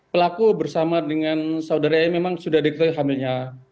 pelaku bersama dengan saudara yang memang sudah diketahui hamilnya